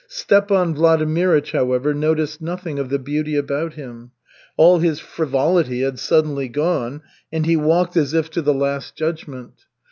Stepan Vladimirych, however, noticed nothing of the beauty about him. All his frivolity had suddenly gone, and he walked as if to the Last Judgment.